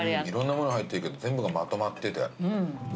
いろんなものが入ってるけど全部がまとまってて。